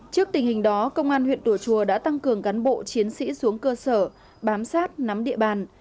trước tình hình đó công an huyện tùa chùa đã tăng cường cán bộ chiến sĩ xuống cơ sở bám sát nắm địa bàn